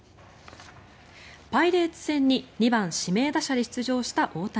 パイレーツ戦に２番指名打者で出場した大谷。